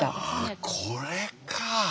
あこれかあ。